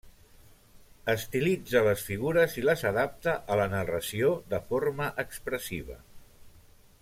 Estilitza les figures i les adapta a la narració de forma expressiva.